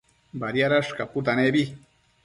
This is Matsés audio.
Badiadash caputanebi